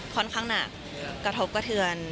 ค่อนข้างหนักกระทบกระเทือน